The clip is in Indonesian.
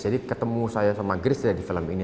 jadi ketemu saya sama grace sudah di film ini